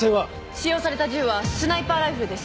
使用された銃はスナイパーライフルです。